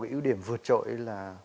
có cái ưu điểm vượt trội là